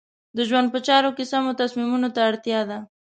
د ژوند په چارو کې سمو تصمیمونو ته اړتیا ده.